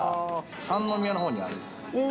三宮のほうにある店。